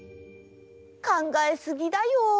かんがえすぎだよ。